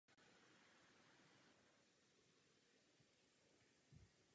Jsou přítomna ve všech eukaryotických buňkách.